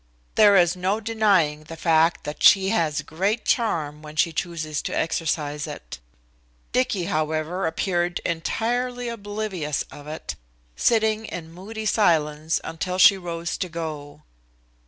There is no denying the fact that she has great charm when she chooses to exercise it. Dicky, however, appeared entirely oblivious of it, sitting in moody silence until she rose to go.